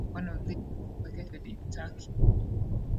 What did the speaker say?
One of these is located in Turkey.